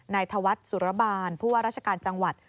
ธวัฒน์สุรบาลผู้ว่าราชการจังหวัด